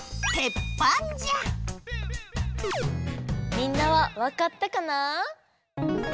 みんなはわかったかな？